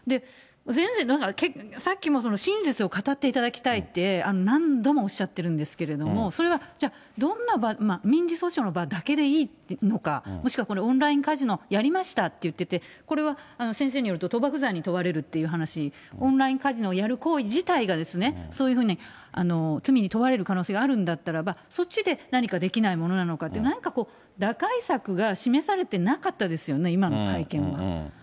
全然、だから、さっきも真実を語っていただきたいって、何度もおっしゃってるんですけれども、それはじゃあ、どんな、民事訴訟の場だけでいいのか、もしくはこれ、オンラインカジノやりましたって言ってて、これは先生によると賭博罪に問われるっていう話、オンラインカジノをやること自体がそういうふうに、罪に問われる可能性があるんだったらばそっちで何かできないものなのかと、打開策が示されてなかったですよね、今の会見は。